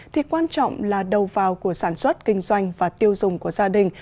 thì quan trọng là đầu vào của sản xuất kinh doanh và tiêu dùng của gia đình